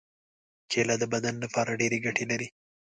کېله د بدن لپاره ډېرې ګټې لري.